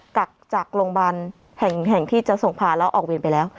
กักจากโรงพยาบาลแห่งที่จะส่งพาแล้วออกเวรไปแล้ว